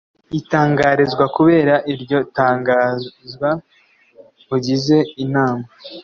itangarizwa Kubera iryo tangazwa ugize inama